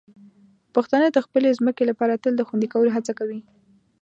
پښتانه د خپلې ځمکې لپاره تل د خوندي کولو هڅه کوي.